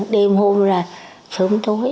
đêm hôm là sớm tối